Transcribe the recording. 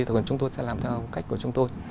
thường chúng tôi sẽ làm theo cách của chúng tôi